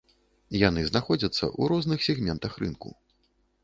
Яны знаходзяцца ў розных сегментах рынку.